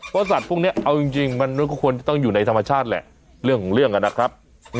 เพราะสัตว์พวกนี้เอาจริงมันก็ควรจะต้องอยู่ในธรรมชาติแหละเรื่องของเรื่องนะครับ